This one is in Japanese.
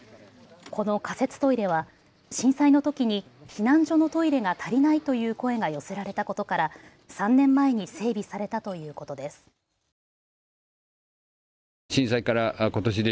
この仮設トイレは震災のときに避難所のトイレが足りないという声が寄せられたことから３年前に整備されたということです。